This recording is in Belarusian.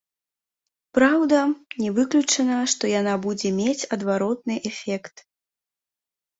Праўда, не выключана, што яна будзе мець адваротны эфект.